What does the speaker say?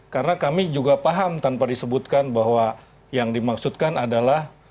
karena kami juga paham tanpa disebutkan bahwa yang dimaksudkan adalah